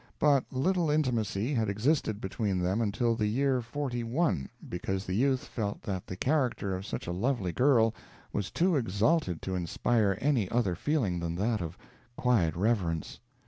But little intimacy had existed between them until the year forty one because the youth felt that the character of such a lovely girl was too exalted to inspire any other feeling than that of quiet reverence.